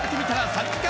３時間